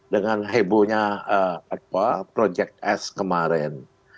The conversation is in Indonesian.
dengan hebohnya project s kemarin